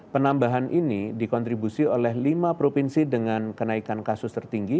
penambahan ini dikontribusi oleh lima provinsi dengan kenaikan kasus tertinggi